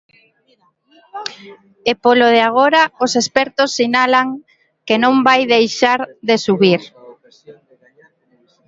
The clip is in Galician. E polo de agora os expertos sinalan que non vai deixar de subir.